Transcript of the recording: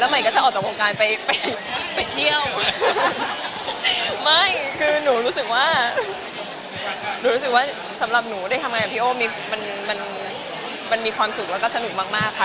มีความสุขและมีความสนุกมากค่ะ